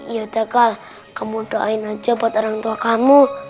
iya kal kamu doain aja buat orang tua kamu